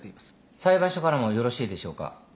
裁判所からもよろしいでしょうか。